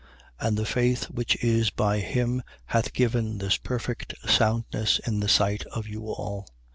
And the faith which is by him hath given this perfect soundness in the sight of you all.